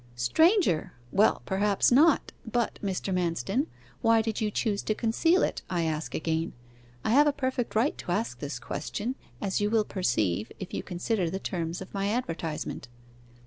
'Stranger! well, perhaps not; but, Mr. Manston, why did you choose to conceal it, I ask again? I have a perfect right to ask this question, as you will perceive, if you consider the terms of my advertisement.